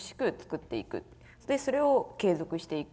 それを継続していく。